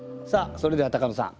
それでは高野さん